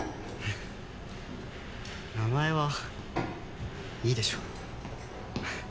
名前はいいでしょ？